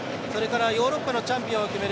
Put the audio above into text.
ヨーロッパのチャンピオンを決める